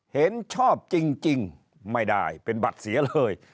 เห็นชอบจริงไม่ได้เป็นบัตรเสียเลย